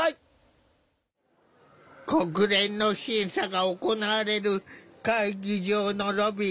国連の審査が行われる会議場のロビー。